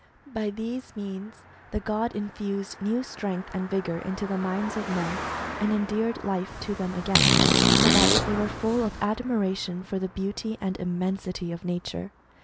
By these means the god infused new strength and vigour into the minds of men, and endeared life to them again, so that they were full of admiration for the beauty and immensity of nature.